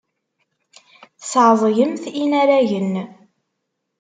Tesɛeẓgemt inaragen.